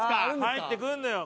入ってくるのよ。